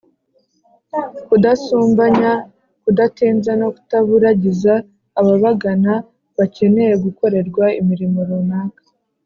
kudasumbanya, kudatinza no kutaburagiza ababagana bakeneye gukorerwa imirimo runaka.